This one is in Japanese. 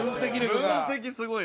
分析すごいのよ。